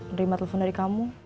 nerima telepon dari kamu